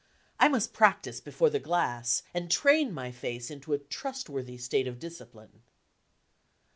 I must practice before the glass and train my face into a trustworthy state of discipline.